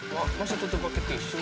mau satu tuh pak kecil